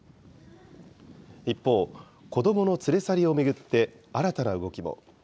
一方、子どもの連れ去りを巡って、新たな動きも。